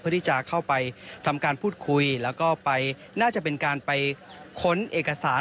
เพื่อที่จะเข้าไปทำการพูดคุยแล้วก็ไปน่าจะเป็นการไปค้นเอกสาร